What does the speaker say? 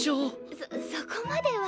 そそこまでは。